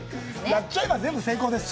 やっちゃえば全部成功です